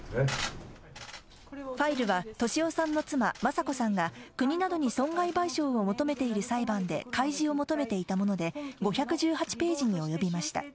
ファイルは、俊夫さんの妻、雅子さんが、国などに損害賠償を求めている裁判で開示を求めていたもので、５１８ページに及びました。